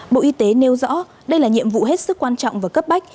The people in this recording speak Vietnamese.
bộ y tế nêu rõ đây là nhiệm vụ hết sức quan trọng và cấp bách